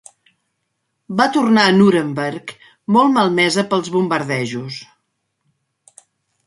Va tornar a Nuremberg, molt malmesa pels bombardejos.